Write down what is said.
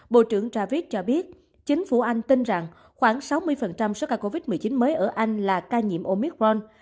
bộ trưởng ravick cho biết chính phủ anh tin rằng khoảng sáu mươi số ca covid một mươi chín mới ở anh là ca nhiễm omicron